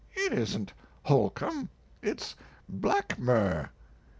It isn't Holcomb, it's Blackmer."